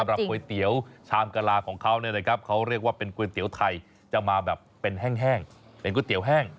ก๋วยเตี๋ยวชามกะลาของเขาเนี่ยนะครับเขาเรียกว่าเป็นก๋วยเตี๋ยวไทยจะมาแบบเป็นแห้งเป็นก๋วยเตี๋ยวแห้ง